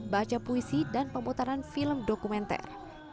baca puisi dan pemutaran film dokumenter